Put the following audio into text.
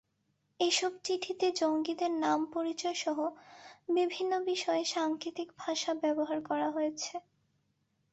এসব চিঠিতে জঙ্গিদের নাম-পরিচয়সহ বিভিন্ন বিষয়ে সাংকেতিক ভাষা ব্যবহার করা হয়েছে।